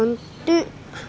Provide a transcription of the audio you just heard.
tante dewi marah